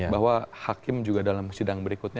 bahwa hakim juga dalam sidang berikutnya